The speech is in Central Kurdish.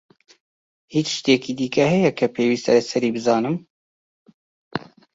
هیچ شتێکی دیکە هەیە کە پێویستە لەسەری بزانم؟